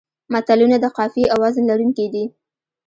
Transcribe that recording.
متلونه د قافیې او وزن لرونکي دي